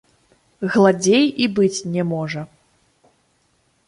Гладзей і быць не можа.